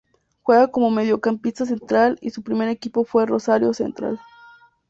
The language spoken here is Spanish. Juega como mediocampista central y su primer equipo fue Rosario Central.